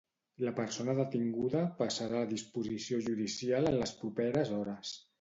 La persona detinguda passarà a disposició judicial en les properes hores.